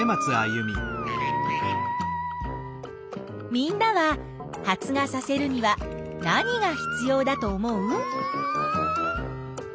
みんなは発芽させるには何が必要だと思う？